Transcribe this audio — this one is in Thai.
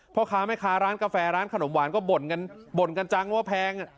พ่อค้าแม่ค้าร้านกาแฟร้านขนมหวานก็บ่นกันบ่นกันจังว่าแพง